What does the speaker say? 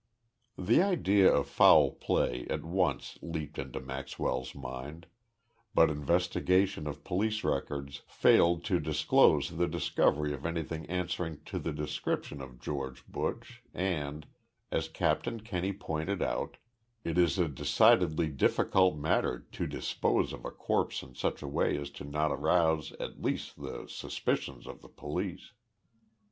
The idea of foul play at once leaped into Maxwell's mind, but investigation of police records failed to disclose the discovery of anybody answering to the description of George Buch and, as Captain Kenney pointed out, it is a decidedly difficult matter to dispose of a corpse in such a way as not to arouse at least the suspicions of the police.